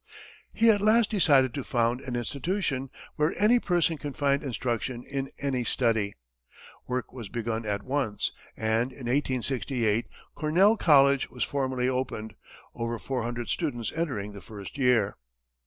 He at last decided to found an institution "where any person can find instruction in any study." Work was begun at once, and in 1868, Cornell College was formally opened, over four hundred students entering the first year.